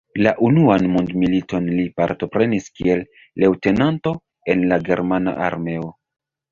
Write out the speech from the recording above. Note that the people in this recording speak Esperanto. La Unuan Mondmiliton li partoprenis kiel leŭtenanto en la germana armeo.